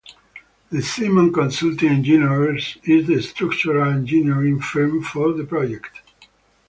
DeSimone Consulting Engineers is the structural engineering firm for the project.